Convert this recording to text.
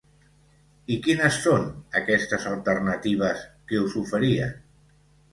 I quines són aquestes alternatives que us oferien?